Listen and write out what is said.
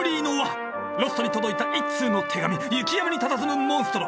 ロッソに届いた一通の手紙雪山にたたずむモンストロ。